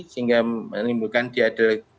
sehingga menimbulkan diadil